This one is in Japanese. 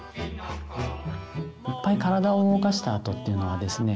いっぱい体を動かしたあとっていうのはですね